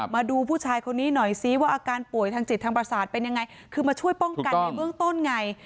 มาดูผู้ชายคนนี้หน่อยซิว่าอาการป่วยทางจิตทางประสาทเป็นยังไงคือมาช่วยป้องกันในเบื้องต้นไง